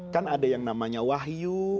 kan ada yang namanya wahyu